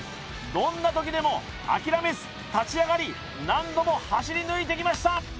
どんな時でも諦めず立ち上がり何度も走り抜いてきました